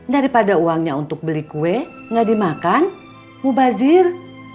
daripada uangnya untuk beli kue gak dimakan mubazir